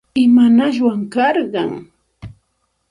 ¿Imanashwan karqan?